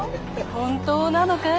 本当なのかい？